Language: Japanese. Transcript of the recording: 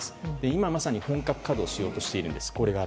今まさに本格稼働しようとしているんです。